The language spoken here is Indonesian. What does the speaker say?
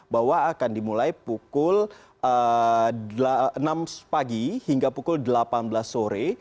bahwa akan dimulai pukul enam pagi hingga pukul delapan belas sore